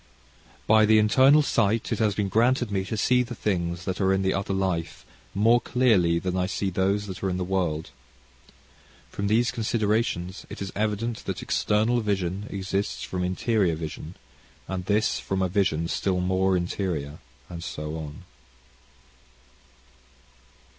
"By the internal sight it has been granted me to see the things that are in the other life, more clearly than I see those that are in the world. From these considerations, it is evident that external vision exists from interior vision, and this from a vision still more interior, and so on."...